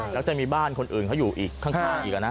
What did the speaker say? แล้วจะมีบ้านคนอื่นเขาอยู่ข้างในอีกกันนะ